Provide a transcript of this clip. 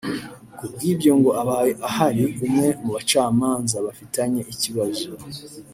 Ku bw’ibyo ngo abaye hari umwe mu bacamanza bafitanye ikibazo